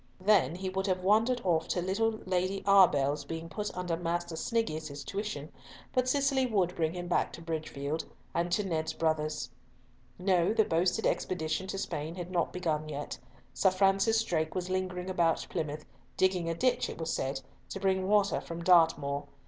Then he would have wandered off to little Lady Arbell's being put under Master Sniggius's tuition, but Cicely would bring him back to Bridgefield, and to Ned's brothers. No, the boasted expedition to Spain had not begun yet. Sir Francis Drake was lingering about Plymouth, digging a ditch, it was said, to bring water from Dartmoor.